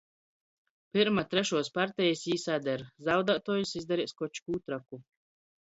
Pyrma trešuos partejis jī sader — zaudātuojs izdareis koč kū troku.